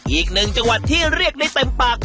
อีกหนึ่งจังหวัดที่เรียกได้เต็มปาก